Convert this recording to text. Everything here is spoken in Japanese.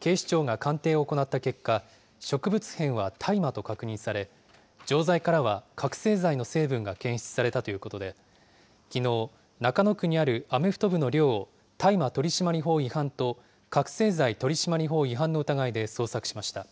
警視庁が鑑定を行った結果、植物片は大麻と確認され、錠剤からは覚醒剤の成分が検出されたということで、きのう、中野区にあるアメフト部の寮を大麻取締法違反と、覚醒剤取締法違反の疑いで捜索しました。